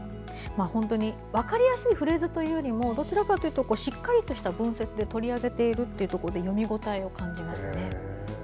本当に分かりやすいフレーズというよりもしっかりとした文節で取り上げているというところで読み応えを感じました。